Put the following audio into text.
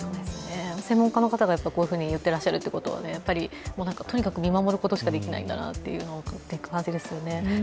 専門家の方がこのように言っていらっしゃるということは、とにかく守ることしかできないのかなという感じですね。